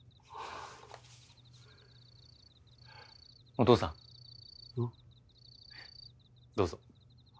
お父さんどうぞ。